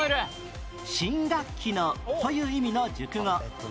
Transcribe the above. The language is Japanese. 「新学期の」という意味の熟語